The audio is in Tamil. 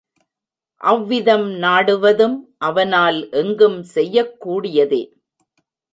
அவ்விதம் நாடுவதும் அவனால் எங்கும் செய்யக் கூடியதே.